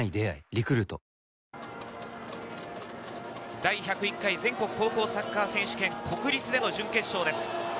第１０１回全国高校サッカー選手権、国立での準決勝です。